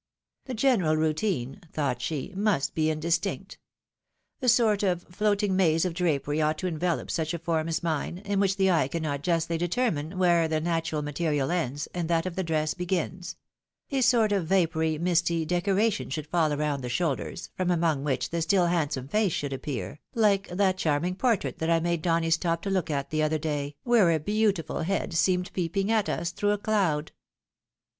" The general outline," thought she, " must be indistinct. A sort of floating maze of drapery ought to fflivelop such a form as mine, in wHch the eye cannot justly determine where the natural material ends, and that of the dress begins — a sort of vapoury, misty, decoration should fall around the shoulders, from among wMch the stiU handsome face should appear, like that charming portrait that I made Donny stop to look at the other day, where a beautiful head seemed peeping at us through a cloud."